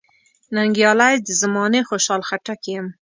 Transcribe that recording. ننګیالی د زمانې خوشحال خټک یم .